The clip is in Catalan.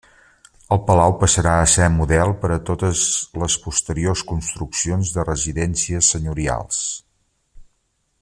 El palau passarà a ser model per a totes les posteriors construccions de residències senyorials.